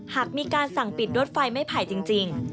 หากมีการสั่งปิดรถไฟไม่ไผ่จริง